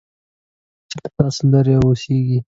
چې له تاسو لرې اوسيږي .